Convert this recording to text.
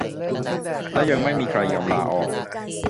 และยังไม่มีใครยอมลาออก